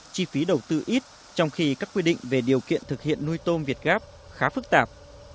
chi phí đầu tư ít trong khi các quy định về điều kiện thực hiện nuôi tôm việt gáp khá phức tạp